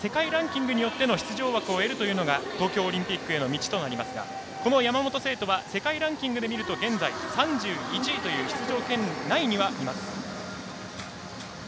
標準記録突破もしくは世界ランキングによっての出場権利を得るというのがオリンピックへの道ですが山本聖途は世界ランキングで見ると現在３１位という出場圏内にはいます。